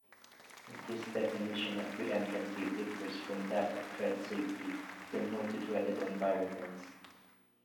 This definition of reentrancy differs from that of thread-safety in multi-threaded environments.